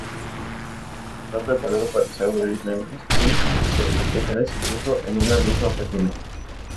Está preparado para usar varias lenguas y codificaciones incluso en una misma página.